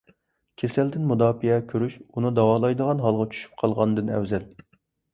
كېسەلدىن مۇداپىئە كۆرۈش، ئۇنى داۋالايدىغان ھالغا چۈشۈپ قالغاندىن ئەۋزەل.